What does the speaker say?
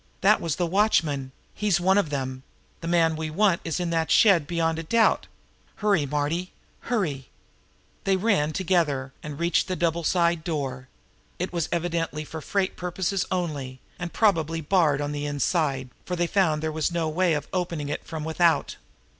"That was the watchman. He's one of them. The man we want is in that shed beyond a doubt. Hurry, Marty hurry!" They ran together now, and reached the double side door. It was evidently for freight purposes only, and probably barred on the inside, for they found there was no way of opening it from without.